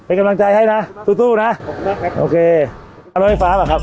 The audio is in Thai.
เป็นกำลังใจให้นะสู้นะขอบคุณมากครับโอเคเอาล่ะไอ้ฟ้าป่ะครับ